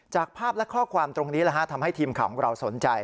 ภาพและข้อความตรงนี้ทำให้ทีมข่าวของเราสนใจ